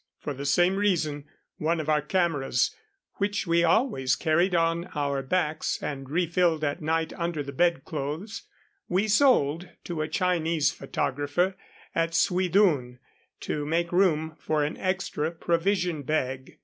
For the same reason one of our cameras, which we always carried on our backs, and refilled at night under the bedclothes, we sold to a Chinese photographer at Suidun, to make room for an extra provision bag.